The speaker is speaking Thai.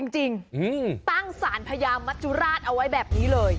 จริงตั้งสารพญามัจจุราชเอาไว้แบบนี้เลย